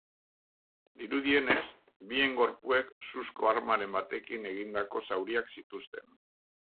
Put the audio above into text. Dirudienez, bien gorpuek suzko armaren batekin egindako zauriak zituzten.